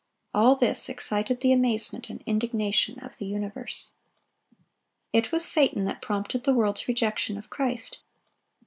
—all this excited the amazement and indignation of the universe. It was Satan that prompted the world's rejection of Christ.